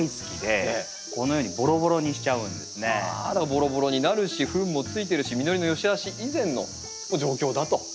ボロボロになるしふんもついてるし実りのよしあし以前の状況だと。